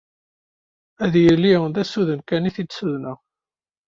Ad yili d asugen kan i t-id-ssugneɣ.